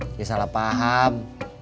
saya salah paham